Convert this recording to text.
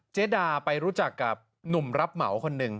เจ๊ดาไปรู้จักกับหนุ่มรับเหมาคนหนึ่ง